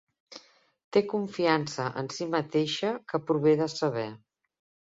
Té confiança en si mateixa que prové de saber